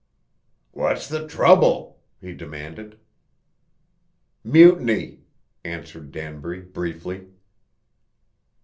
"What's the trouble?" he demanded. "Mutiny," answered Danbury, briefly.